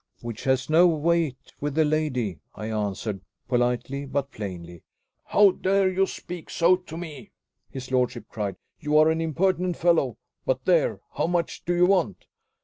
"Which has no weight with the lady," I answered politely but plainly. "How dare you speak so to me?" his lordship cried. "You are an impertinent fellow! But there! How much do you want?"